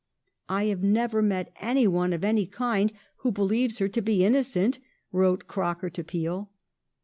" I have never met anyone of any kind who believes her to be inno cent," wrote Croker to Peel.